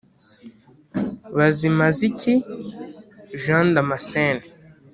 Bazimaziki Jean Damacene